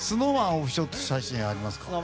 オフショット写真ありますか？